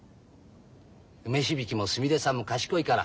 梅響もすみれさんも賢いから。